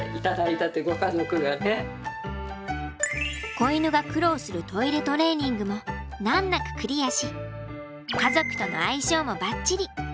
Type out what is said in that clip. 子犬が苦労するトイレトレーニングも難なくクリアし家族との相性もバッチリ。